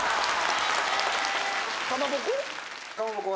かまぼこ？